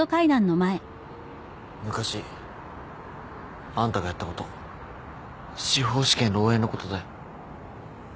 昔あんたがやったこと司法試験漏えいのことだよ